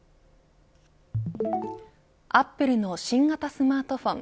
アップルの新型スマートフォン